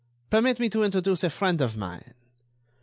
Permit me to introduce a friend of mine."